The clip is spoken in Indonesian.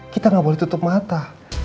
kita gak boleh tutup mata